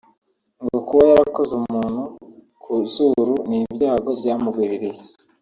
ngo kuba ‘yarakoze' umuntu ku zuru ni ibyago byamugwiririye